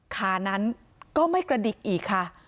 ขานั้นก็ไม่กระดิกอีกค่ะ